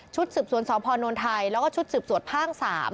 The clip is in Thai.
ชุดสืบสวนสพนทแล้วก็ชุดสืบสวนภศ